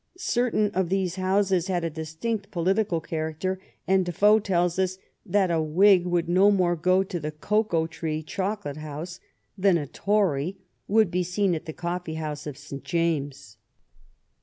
Certain of these houses had a distinct political character, and Defoe tells us that a Whig would no more go to the Cocoa Tree Chocolate house than a Tory would be seen at the Coffee house of St James.